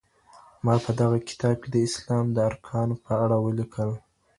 ما په دغه کتاب کي د اسلام د ارکانو په اړه ولیکل.